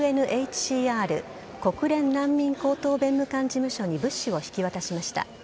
ＵＮＨＣＲ＝国連難民高等弁務官事務所に物資を引き渡しました。